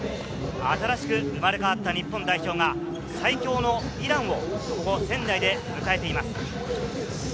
新しく生まれ変わった日本代表が最強のイランを仙台で迎えています。